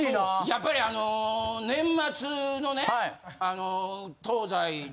やっぱり年末のねあの。